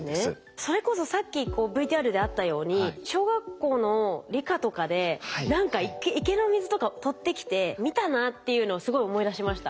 それこそさっきＶＴＲであったように小学校の理科とかで何か池の水とかを取ってきて見たなっていうのをすごい思い出しました。